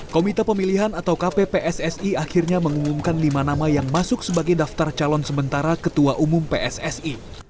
komite pemilihan atau kppssi akhirnya mengumumkan lima nama yang masuk sebagai daftar calon sementara ketua umum pssi